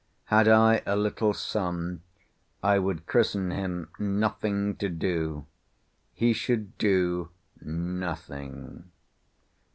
Had I a little son, I would christen him NOTHING TO DO; he should do nothing.